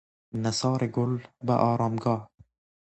نثار گل به آرامگاه